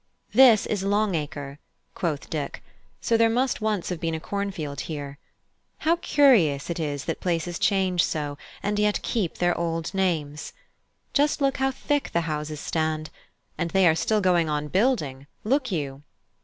"This is Long Acre," quoth Dick; "so there must once have been a cornfield here. How curious it is that places change so, and yet keep their old names! Just look how thick the houses stand! and they are still going on building, look you!"